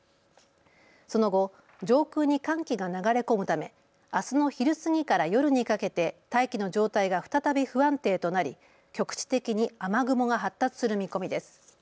その後、上空に寒気が流れ込むためあすの昼過ぎから夜にかけて大気の状態が再び不安定となり局地的に雨雲が発達する見込みです。